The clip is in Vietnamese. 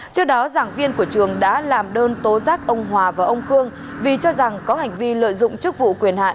trước đó giảng viên của trường đã làm đơn tố giác ông hòa và ông khương vì cho rằng có hành vi lợi dụng chức vụ quyền hạn